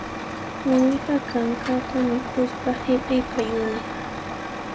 Uwiha kankata mikhuspa hiq'ipayuni